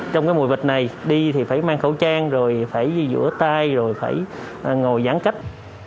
trong cái mùi vịt này đi thì phải mang khẩu trang rồi phải rửa tay rồi phải ngồi giãn cách